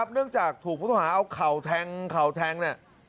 เนื่องจากถูกพุทธภาคเอาเข่าแท้งเข่าแท้ง